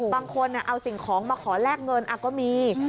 บางคนเอาสิ่งของมาขอแลกเงินก็มี